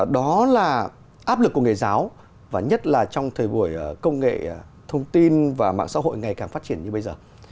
đó là áp lực của nghề giáo và nhất là trong thời buổi công nghệ thông tin và mạng xã hội ngày càng phát triển như bây giờ